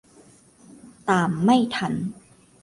ตามไม่ทัน